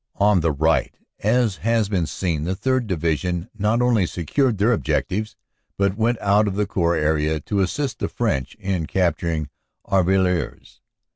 On the right, as has been seen, the 3rd. Division not only secured their objectives but went out of the Corps area to assist the French in capturing Arvillers.